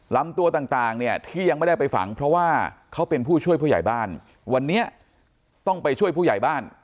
ลำตัวต่างเนี่ยที่ยังไม่ได้ไปฝังเพราะว่าเขาเป็นผู้ช่วยผู้ใหญ่บ้านวันนี้ต้องไปช่วยผู้ใหญ่บ้าน